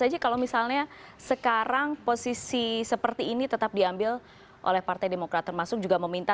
aja kalau misalnya sekarang posisi seperti ini tetap diambil oleh partai demokrat termasuk juga meminta